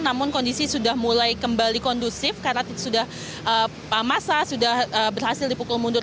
namun kondisi sudah mulai kembali kondusif karena sudah masa sudah berhasil dipukul mundur